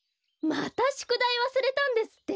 またしゅくだいわすれたんですって？